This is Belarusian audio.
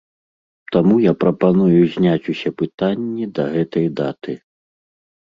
Таму я прапаную зняць усе пытанні да гэтай даты.